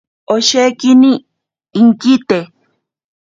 Oshekini inkite.